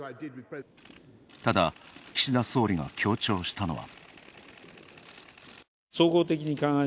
ただ、岸田総理が強調したのは。